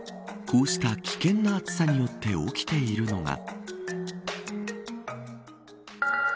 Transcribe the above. こうした危険な暑さによって起きているのが。